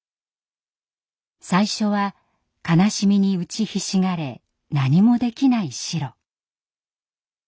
最初は悲しみに打ちひしがれ何もできないシロ。